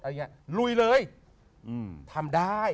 อะไรแนี้ยลุยเลยทำได้